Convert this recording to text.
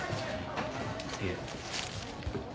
いえ。